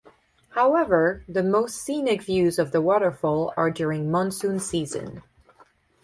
However, the most scenic views of the waterfall are during monsoon season.